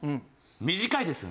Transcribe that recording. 短いですよね？